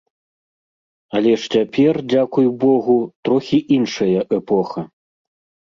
Але ж цяпер, дзякуй богу, трохі іншая эпоха.